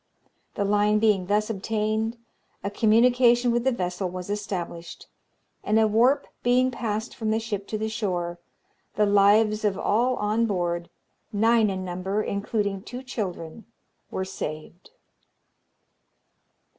The line being thus obtained, a communication with the vessel was established; and a warp being passed from the ship to the shore, the lives of all on board, nine in number, including two children, were saved.